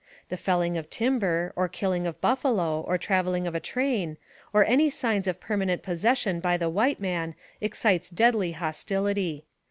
The felling of timber, or killing of buffalo, or traveling of a train, or any signs of permanent possession by the white man excites deadly hostility.